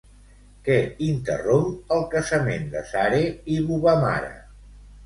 Què interromp el casament de Zare i Bubamara?